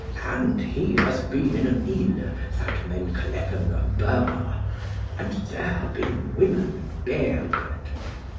And he hath been in an Yle that men clepen Burmah, and there bin women bearded.